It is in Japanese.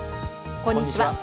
こんにちは。